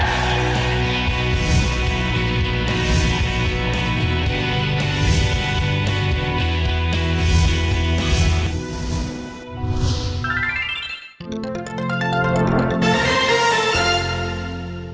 สวัสดีครับ